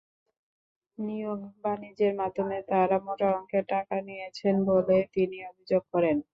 নিয়োগ বাণিজ্যের মাধ্যমে তাঁরা মোটা অঙ্কের টাকা নিয়েছেন বলেও তিনি অভিযোগ করেন।